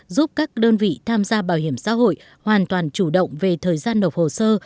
giúp các đơn vị tham gia bảo hiểm xã hội hoàn toàn chủ động về thời gian nộp hồ sơ